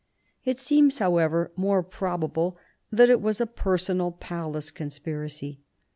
It seems, however, more probable that it was a personal, palace conspiracy.